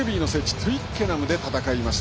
トゥイッケナムで戦いました。